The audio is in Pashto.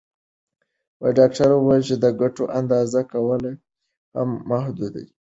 ډاکټره وویل چې د ګټو اندازه کول لا هم محدود دي.